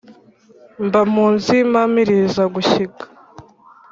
Mba mu z'Impamirizagushyika